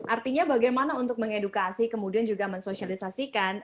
artinya bagaimana untuk mengedukasi kemudian juga mensosialisasikan